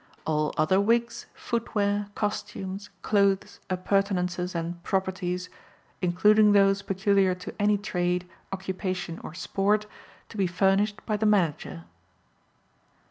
All other wigs, footwear, costumes, clothes, appurtenances and "properties," including those peculiar to any trade, occupation or sport, to be furnished by the Manager.